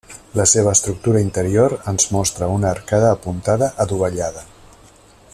La seva estructura interior ens mostra una arcada apuntada adovellada.